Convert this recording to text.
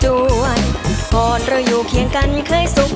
แชมป์สายนี้มันก็น่าจะไม่ไกลมือเราสักเท่าไหร่ค่ะ